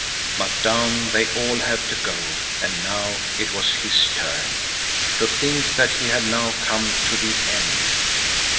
But down they all have to go, and now it was his turn. To think that he had now come to the end!